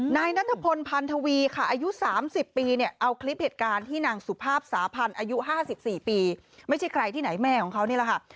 นายนัทพลพันธวีค่ะอายุ๓๐ปีเนี่ยเอาคลิปเหตุการณ์ที่นางสุภาพสาพันธ์อายุ๕๔ปีไม่ใช่ใครที่ไหนแม่ของเขานี่แหละค่ะ